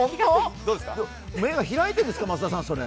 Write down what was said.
目が開いてんですか増田さん、それ？